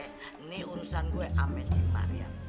ini urusan gue amin si mariam